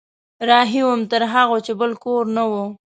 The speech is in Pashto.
رهي وم تر هغو چې بل کور نه و